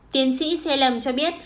tiến sĩ salem cho biết